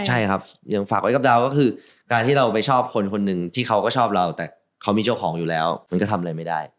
ใช่ครับอย่างฝากไว้กับดาวก็คือการที่เราไปชอบคนคนหนึ่งที่เขาก็ชอบเราแต่เขามีเจ้าของอยู่แล้วมันก็ทำอะไรไม่ได้